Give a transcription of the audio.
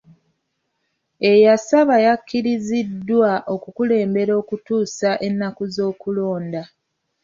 Eyasaba yakkiriziddwa okukulembera okutuusa ennaku z'okulonda.